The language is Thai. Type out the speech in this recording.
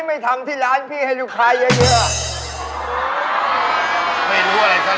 ไม่รู้อะไรซะแล้ว